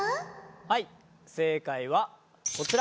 はい正解はこちら。